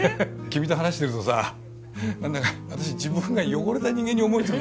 君と話してるとさ何だか私自分が汚れた人間に思えてくるよ